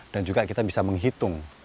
dan juga kita bisa menghitung atau mengestimalkan